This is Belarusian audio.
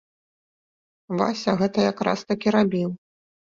Вася гэта як раз такі рабіў.